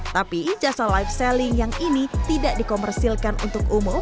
tapi jasa live selling yang ini tidak dikomersilkan untuk umum